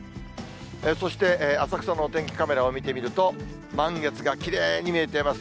そして、浅草のお天気カメラを見てみると、満月がきれいに見えています。